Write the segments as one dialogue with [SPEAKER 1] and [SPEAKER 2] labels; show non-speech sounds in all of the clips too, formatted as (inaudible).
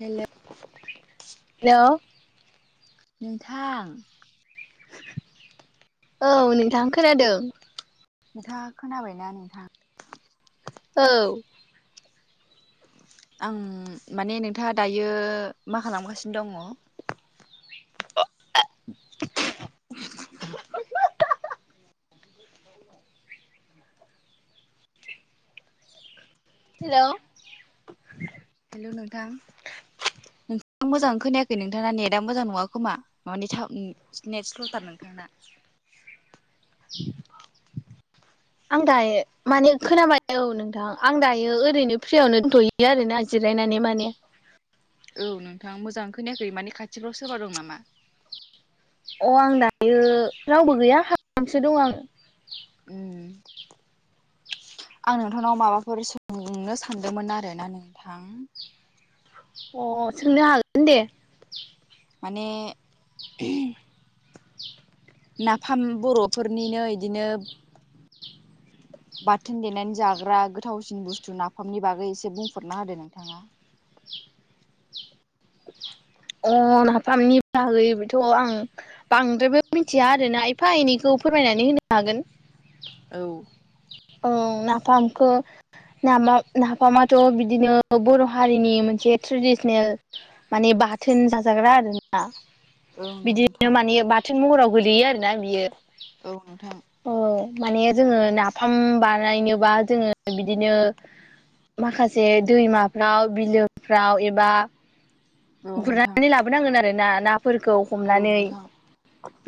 [SPEAKER 1] Hello
[SPEAKER 2] hello
[SPEAKER 1] नोंथां
[SPEAKER 2] औ नोंथां खोनादों
[SPEAKER 1] नोंथाङा खोनाबायना नोंथां
[SPEAKER 2] औ
[SPEAKER 1] आं माने नोंथाङा दायो मा खालामगासिनो दङ'
[SPEAKER 2] (unintelligible)
[SPEAKER 1] (unintelligible)
[SPEAKER 2] हेल'
[SPEAKER 1] हेल' नोंथां (unintelligible) मोजाङै खोनायाखै नों थाङा नेटा मोजां नङा खोमा मानि (unintelligible) नेट स्ल'थार नोंथांना
[SPEAKER 2] (inaudible) आं दायो माने खोनाबाय औ नोंथां आं दायो ओरैनो फ्रियावनो दंथ'यो यो आरो ना जिरायनानै माने
[SPEAKER 1] औ नोंथां मोजां खोनायाखै माने खाथिफ्राव सोरबा दं नामा?
[SPEAKER 2] अ आं दायो रावबो गैया (unintelligible) दं आं
[SPEAKER 1] ओम आं नोंथांनाव माबाफोर सोंनो सानदोंमोन आरोना नोंथां
[SPEAKER 2] अ सोंनो हागोन दे।
[SPEAKER 1] माने नाफाम बर'फोरनिनो इदिनो बाथोन देनानै जाग्रा गोथावसिन बुस्थु नाफामनि बागै एसे बुंफोरना होदो नोंथाङा
[SPEAKER 2] अ नाफामनि बाहागैबोथ' आं बांद्रायबो मिथिया रोना एफा एनैखौ फोरमायनानै होनो हागोन।
[SPEAKER 1] औ
[SPEAKER 2] औ नाफामखो नामा नाफामाथ' बिदिनो बर' हारिनि मोनसे ट्रेडिसनेल माने बा थोन बा जाग्रा आरोना
[SPEAKER 1] औ
[SPEAKER 2] बिदिनो
[SPEAKER 1] नोंथां
[SPEAKER 2] माने बाथोन महराव गोलैयो आरोना बियो
[SPEAKER 1] औ नोंथां
[SPEAKER 2] औ माने जोङो नाफाम बानायनोबा जोङो बिदिनो माखासे दैमाफ्राव बिलोफ्राव एबा
[SPEAKER 1] औ नोंथां
[SPEAKER 2] गुरनानै लाबोनांगोन आरो ना नाफोरखौ
[SPEAKER 1] औ
[SPEAKER 2] हमनानै
[SPEAKER 1] नोंथां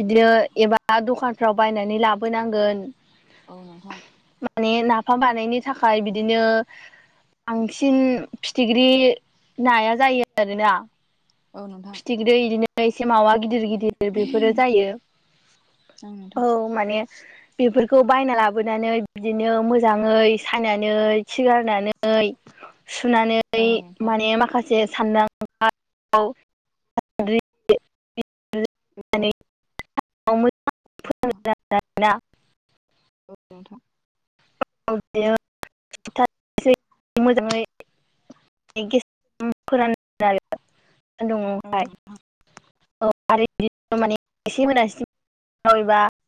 [SPEAKER 2] बिदिनो एबा दखानफ्राव बायनानै लाबोनांगोन।
[SPEAKER 1] औ नोंथां
[SPEAKER 2] माने नाफाम बानायनो थाखाय बिदिनो बांसिन फिथिख्रि नाया जायो आरोना।
[SPEAKER 1] औ नोंथां
[SPEAKER 2] फिथिग्रि इदिनो एसे मावा गिदिर गिदिर बेफोरो जायो। औ माने बेफोरखौ बायना लाबोनानै बिदिनो मोजाङै सायनानै खि गारनानै सुनानै
[SPEAKER 1] औ नोंथां
[SPEAKER 2] माने माखासे सानदां (unintelligible) (unintelligible)
[SPEAKER 1] औ नोंथां।
[SPEAKER 2] (unintelligible) मोजाङै (unintelligible)
[SPEAKER 1] औ
[SPEAKER 2] सानदुंआवहाय (unintelligible)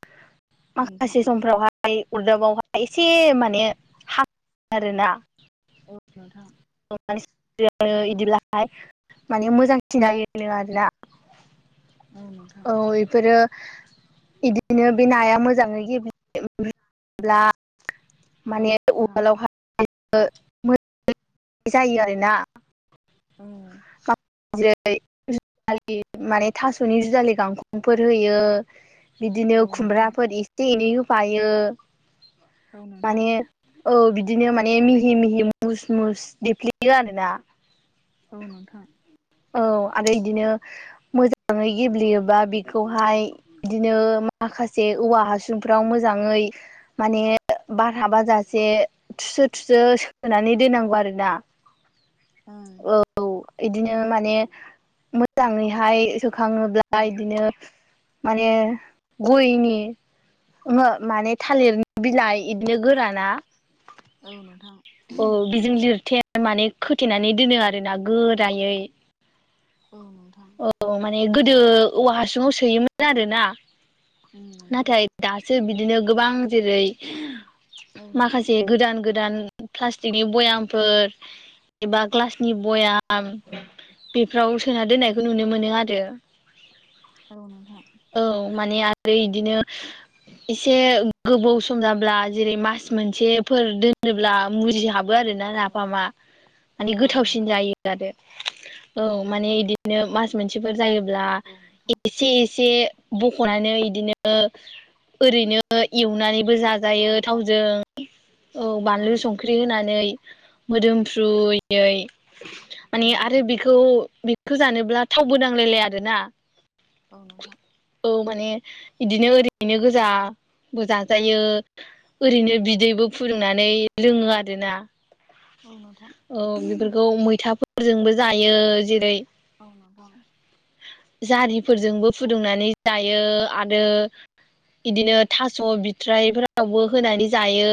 [SPEAKER 1] नोंथां
[SPEAKER 2] माखासे समफ्रावहाय अरदाबावहाय एसे माने हांओ आरोना।
[SPEAKER 1] औ नोंथां।
[SPEAKER 2] (unintelligible) इदिब्लाहाय माने मोजांसिन जायोनो आरोना।
[SPEAKER 1] औ नोंथां
[SPEAKER 2] औ एफोरो इदिनो बे नाया मोजाङै (unintelligible)
[SPEAKER 1] औ
[SPEAKER 2] माने (unintelligible) जायो आरोना।
[SPEAKER 1] ओम
[SPEAKER 2] जेरै- जुजालि माने थास'नि जुजालि गांखंफोर होयो। बिदिनो खुमब्राफोर एसे एनै होफायो
[SPEAKER 1] औ नोंथां
[SPEAKER 2] माने औ बिदिनो माने मिहि मिहि मुस मुस देफ्लेयो आरोना।
[SPEAKER 1] औ नोंथां
[SPEAKER 2] औ आरो इदिनो मोजाङै गेब्लेयोबा बेखौहाय इदिनो माखासे औवा हासुंफ्राव मोजाङै माने बार हाबाजासे थुसो थुसो सोनानै दोननांगौ आरोना।
[SPEAKER 1] ओम।
[SPEAKER 2] औ इदिनो माने मोजाङैहाय खाङोब्ला
[SPEAKER 1] ओं औ नोंथां
[SPEAKER 2] बिदिनो माने गयनि ओहो माने थालिर बिलाइ बिदिनो गोराना
[SPEAKER 1] औ नोंथां।
[SPEAKER 2] औ बेजों लिरथे माने खोथेनानै दोनो आरो ना गोरायै।
[SPEAKER 1] औ नोंथां।
[SPEAKER 2] औ माने गोदो औवा हासुङाव सोयोमोन आरोना
[SPEAKER 1] औ
[SPEAKER 2] नाथाय
[SPEAKER 1] नोंथां
[SPEAKER 2] दा सो बिदिनो गोबां जेरै
[SPEAKER 1] औ नोंथां औ नोंथां
[SPEAKER 2] माखासे गोदान गोदान प्लास्टिकनि बयामफोर एबा ग्लासनि बयाम (unintelligible) बेफोराव सोना दोननायखौ नुनो मोनो आरो।
[SPEAKER 1] औ नोंथां।
[SPEAKER 2] औ माने आरो बिदिनो एसे गोबाव सम जा ब्ला जेरै मास मोनसेफोर दोनोब्ला मुजिहाब (unintelligible) आरोना
[SPEAKER 1] औ
[SPEAKER 2] नाफामा माने गोथावसिन
[SPEAKER 1] नोंथां
[SPEAKER 2] जायो आरो औ माने बिदि बिदिनो मास
[SPEAKER 1] औ
[SPEAKER 2] मोनसेफोर
[SPEAKER 1] नोंथां औ
[SPEAKER 2] जायोब्ला
[SPEAKER 1] नोंथां
[SPEAKER 2] एसे एसे बख'नानै इदिनो ओरैनो एवनानैबो जाजा जायो
[SPEAKER 1] औ
[SPEAKER 2] थावजों औ बानलु
[SPEAKER 1] नोंथां औ
[SPEAKER 2] संख्रि होनानै। मोदोमफ्रुयै माने आरो बेखौ खौ जानोब्ला थावबो नांलायलाया आरोना।
[SPEAKER 1] औ नोंथां।
[SPEAKER 2] औ माने बिदिनो ओरैनो गोजा बो जाजायो। ओरैनो बिदैबो फुदुंनानै लोङो आरोना।
[SPEAKER 1] औ नोंथां।
[SPEAKER 2] औ बेफोरखौ मैथाफोरजोंबो जायो जेरै
[SPEAKER 1] औ नोंथां।
[SPEAKER 2] जारिफोरजोंबो फुदुंनानै जायो आरो बिदिनो थास' बिथ्राइफोरावबो होनानै जायो।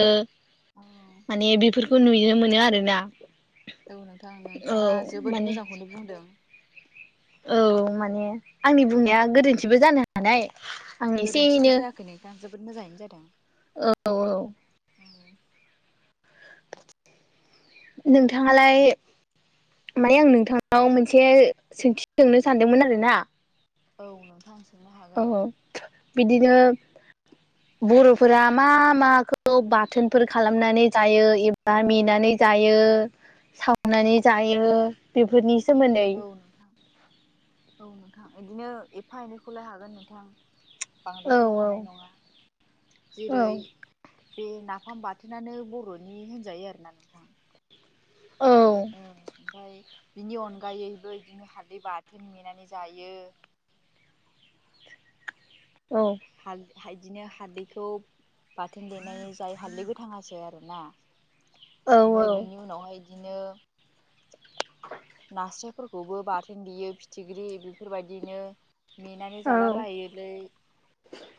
[SPEAKER 1] औ
[SPEAKER 2] माने बेफोरखौ नुनो मोनो आरोना।
[SPEAKER 1] औ नोंथां
[SPEAKER 2] औ
[SPEAKER 1] नोंथाङा जोबोद
[SPEAKER 2] माने
[SPEAKER 1] मोजांखौनो बुंदों।
[SPEAKER 2] औ माने आंनि बुंनाया गोरोन्थिबो जानो हानाय। आं एसे
[SPEAKER 1] गोरोन्थिथ'
[SPEAKER 2] एनो
[SPEAKER 1] जायाखै नोंथां जोबोद मोजाङैनो जादों।
[SPEAKER 2] औ औ
[SPEAKER 1] उम।
[SPEAKER 2] नोंथाङालाय माने आं नोंथांनाव मोनसे सोंथि सोंनो सानदोंमोन आरो ना?
[SPEAKER 1] औ नोंथां सो
[SPEAKER 2] औ औ बिदिनो बर'फोरा मा माखौ बाथोनफोर खालामनानै जायो एबा मेनानानै जायो सावनानै जायो बेफोरनि सोमोन्दै
[SPEAKER 1] औ नोंथां औ नोंथां बिदिनो एफा एनैखौलाय हागोन नोंथां
[SPEAKER 2] औ
[SPEAKER 1] बांद्रायथ' हानाय नङा।
[SPEAKER 2] औ
[SPEAKER 1] जेरै बे नाफाम बाथोनानो बर'नि होनजायो आरोना नोंथां। औ ओमफ्राय बिनि अनगायैबो बिदिनो हालदै बाथोन मेनानै जायो।
[SPEAKER 2] औ।
[SPEAKER 1] हाल हायदिनो हालदैखौ बाथोन देनाय जाय हालदै गोथाङासो आरो ना।
[SPEAKER 2] औ
[SPEAKER 1] ओमफफ्राय
[SPEAKER 2] औ
[SPEAKER 1] बिनि उनावहाय बिदिनो नास्रायफोरखौबो बाथोन देयो फिथिख्रि बेफोरबायदिनो मेनानै
[SPEAKER 2] औ
[SPEAKER 1] जाला बायोलै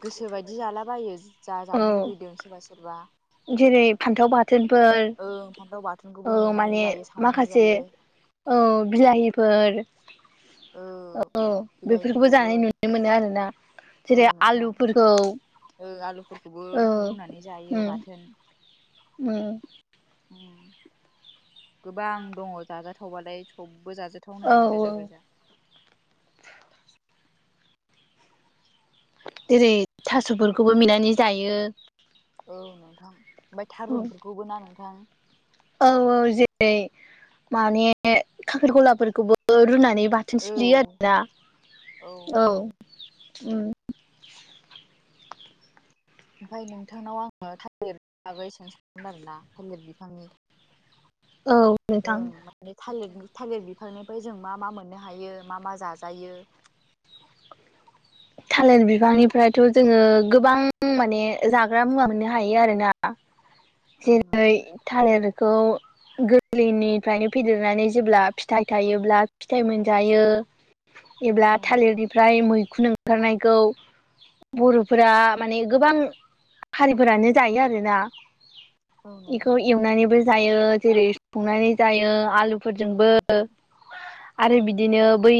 [SPEAKER 1] गोसोबायदि जालाबायो ज
[SPEAKER 2] औ
[SPEAKER 1] जानो लुुबैदों सोरबा सोरबा
[SPEAKER 2] जेरै फान्थाव बाथोनफोर
[SPEAKER 1] ओं फान्थाव बाथोनखौबो
[SPEAKER 2] औ
[SPEAKER 1] मेनानै
[SPEAKER 2] माने
[SPEAKER 1] जायो सावनानै
[SPEAKER 2] माखासे
[SPEAKER 1] जायो
[SPEAKER 2] औ बिलाहिफोर औ बेफोरखौबो
[SPEAKER 1] बिलाइफोरखौबो
[SPEAKER 2] जानाय नुनो मोनो मोनो आरो ना।
[SPEAKER 1] औ
[SPEAKER 2] जेरै
[SPEAKER 1] नोंथां
[SPEAKER 2] आलुफोरखौ
[SPEAKER 1] ओ आलुफोरखौबो रुनानै जायो बाथोन
[SPEAKER 2] उम
[SPEAKER 1] अ गोबां दङ जाजाथावबालाय सबबो जाजाथावनो
[SPEAKER 2] औ
[SPEAKER 1] हायानो गोजा गोजा
[SPEAKER 2] जेरै थास'फोरखौबो मिनानै जायो
[SPEAKER 1] औ नोंथां ओमफ्राय थारुनफोरखौबो ना नोंथां।
[SPEAKER 2] औ औ जेरै माने खाखेर गलाफोरखौबो रुनानै बाथ
[SPEAKER 1] औ
[SPEAKER 2] थिख्लियो आरोना औ
[SPEAKER 1] ओमफफ्राय नोंथांनाव आङो थालिर बागै सोंसदोंमोन आर ना थालिर बिफांनि
[SPEAKER 2] औ।
[SPEAKER 1] जों
[SPEAKER 2] नोंथां
[SPEAKER 1] माने थालिरनि थालिर बिफांनिफ्राय जों मा मा मोननो हायो मा मा जाजायो
[SPEAKER 2] थालिर बिफांनिफ्रायथ' जोङो गोबां माने जाग्रा मुवा मोननो हायो आरोना
[SPEAKER 1] (inaudible)
[SPEAKER 2] जेरै
[SPEAKER 1] नोंथां
[SPEAKER 2] थालिरखौ गोरलैनिफ्रायनो फेदेरनानै जेब्ला फिथाइ थायोब्ला फिथाइ मोनजायो एब्ला
[SPEAKER 1] औ नोंथां
[SPEAKER 2] थालिरनिफ्राय मैखुन ओंखारनायखौ बर'फोरा माने गोबां हारिफोरानो जायो आरोना
[SPEAKER 1] औ नोंथां
[SPEAKER 2] बेखौ एवनानैबो जायो जेरै संनानै जायो
[SPEAKER 1] औ
[SPEAKER 2] आलुफोरजोंबो
[SPEAKER 1] नोंथां
[SPEAKER 2] आरो
[SPEAKER 1] औ नोंथां
[SPEAKER 2] बिदिनो बै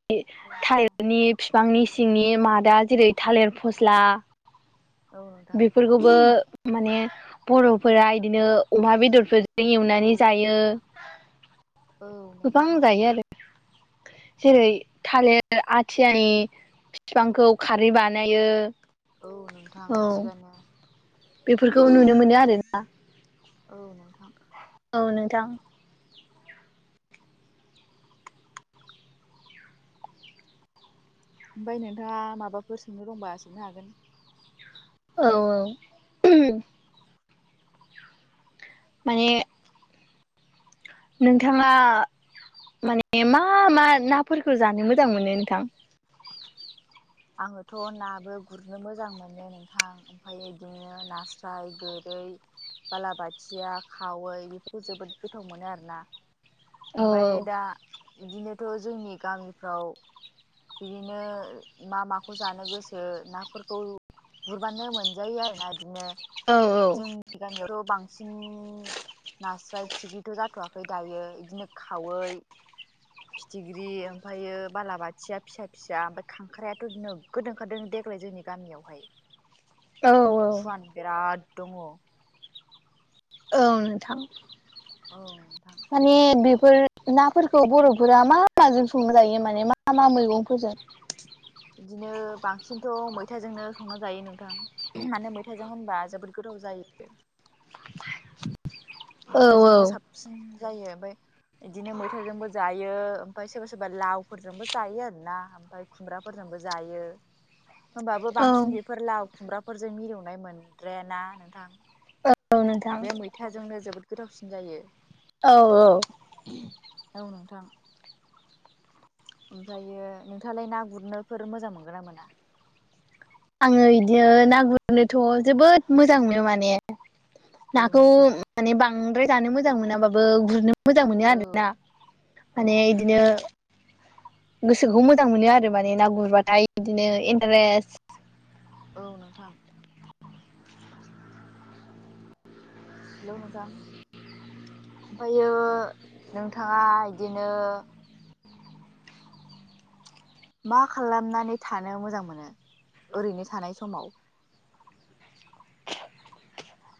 [SPEAKER 1] औ नोंथां औ
[SPEAKER 2] थाइरनि बिफांनि
[SPEAKER 1] नोंथां
[SPEAKER 2] सिंनि मादा जेरै थालिर फस्ला
[SPEAKER 1] औ नोंथां
[SPEAKER 2] बेफोरखौबो माने बर'फोरा इदिनो अमा बेदरफोर जों
[SPEAKER 1] औ
[SPEAKER 2] एवनानै जायो
[SPEAKER 1] औ
[SPEAKER 2] गोबां
[SPEAKER 1] नोंथां
[SPEAKER 2] जायो आरो जेरै थालिर आथियानि बिफांखौ खारै बानायो
[SPEAKER 1] औ नोंथां थिगानोया
[SPEAKER 2] बेफोरखौ नुनो मोनो आरोना
[SPEAKER 1] औ नोंथां
[SPEAKER 2] औ नोंथां
[SPEAKER 1] ओमफाय नोंथाङा माबाफोर सोंनो दंबा सोंनो हागोन
[SPEAKER 2] औ औ माने नोंथाङा माने मा मा नाफोरखौ जानो मोजां मोनो नोंथां
[SPEAKER 1] आङोथ' नाबो गुरनो मोजां मोनो नोंथां ओमफाय बिदिनो नास्राय गोरै बालाबाथिया खावै बेफोरखौ जोबोद गोथाव मोनो आरोना
[SPEAKER 2] औ
[SPEAKER 1] ओमफ्राय दा बिदिनोथ' जोंनि गामिफ्राव बिदिनो मा माखौ जानो गोसो नाफोरखौ गुरबानो मोनजायो आरोना बिदिनो
[SPEAKER 2] औ
[SPEAKER 1] जोंनि गामियावथ' बांसिन नास्राय फिथिख्रिथ' जाथ'वाखै दायो इदिनो खावै फिथिख्रि ओमफायो बालाबाथ थिया फिसा फिसा ओमफ्राय खांख्रायाथ' नोगोद ओंखारदों देग्लाय जोंनि गामियावहाय
[SPEAKER 2] औ औ
[SPEAKER 1] फुवान बिराद दङ
[SPEAKER 2] औ नोंथां
[SPEAKER 1] औ नोंथां
[SPEAKER 2] माने बेफोर नाफोरखौ बर'फोरा मा माजों संजायो माने मा मा मैगंफोरजों?
[SPEAKER 1] बिदिनो बांसिनथ' मैथाजोंनो संना जायो नोंथां। माने मैथाइजों होनबा जोबोद गोथाव जायो।
[SPEAKER 2] औ औ
[SPEAKER 1] मैथाजोंनो साबसिन जायो ओमफाय बिदिनो मैथाजोंबो जायो ओमफाय सोरबा सोरबा लावफोरजोंबो जायो आरो ना। (inaudible) खुमब्राफोरजोंबो जायो। होमबाबो
[SPEAKER 2] औ
[SPEAKER 1] बांसिन बेफोर लाव खुमब्राफोरजों मिलौनाय मोनद्रायाना नोंथां?
[SPEAKER 2] औ नोंथां।
[SPEAKER 1] मौथाजोंनो जोबोद गोथावसिन जायो।
[SPEAKER 2] औ औ।
[SPEAKER 1] औ नोंथां। ओमफायो नोंथाङालाय ना गुरनोफोर मोजां मोनगोन ना मोना?
[SPEAKER 2] आङो बिदिनो ना गुरनोथ' जोबोद मोजां मोनो माने
[SPEAKER 1] औ
[SPEAKER 2] नाखौ
[SPEAKER 1] नोंथां
[SPEAKER 2] माने बांद्राय जानो मोजां मोनाबाबो गुरनो मोजां मोनो
[SPEAKER 1] औ
[SPEAKER 2] आरोना
[SPEAKER 1] औ
[SPEAKER 2] माने
[SPEAKER 1] नोंथां
[SPEAKER 2] इदिनो गोसोखौ मोजां मोनो आरो माने ना गुरबाथाय बिदिनो इन्टारेस्ट
[SPEAKER 1] औ नोंथां। हेलौ नोंथां ओमफायो नोंथाङा बिदिनो मा खालामनानै थानो मोजां मोनो ओरैनो थानाय समाव?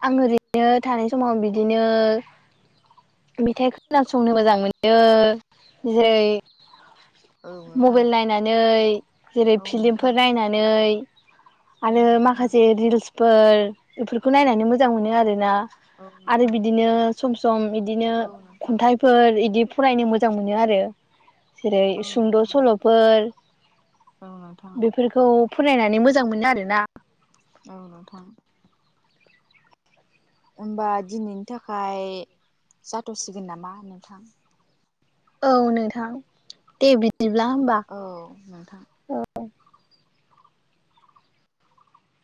[SPEAKER 2] आं ओरैनो थानाय समाव बिदिनो मेथाइ खोनासंनो मोजां मोनो। जेरै
[SPEAKER 1] औ नोंथां
[SPEAKER 2] मबाइल नायनानै जेरै
[SPEAKER 1] औ नोंथां
[SPEAKER 2] फिलिमफोर नायनानै
[SPEAKER 1] औ
[SPEAKER 2] आरो
[SPEAKER 1] नोंथां
[SPEAKER 2] माखासे रिल्सफोर बेफोरखौ नायनानै मोजां मोनो आरोना।
[SPEAKER 1] औ
[SPEAKER 2] आरो
[SPEAKER 1] नोंथां
[SPEAKER 2] बिदिनो सम सम बिदिनो
[SPEAKER 1] औ नोंथां
[SPEAKER 2] खन्थाइ फोर इदि फरायनो मोजां मोनो आरो। जेरै
[SPEAKER 1] औ
[SPEAKER 2] सुंद'
[SPEAKER 1] नोंथां
[SPEAKER 2] सल'फोर
[SPEAKER 1] औ नोंथां
[SPEAKER 2] खौ फरायनानै मोजां मोनो आरोना।
[SPEAKER 1] औ नोथां। होमबा दिनैनि थाखाय जाथ'सिगोन नामा नोंथां?
[SPEAKER 2] औ नोंथां दे बिदिब्ला होमबा।
[SPEAKER 1] औ नोंथां।